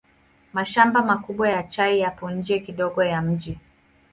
Mashamba makubwa ya chai yapo nje kidogo ya mji.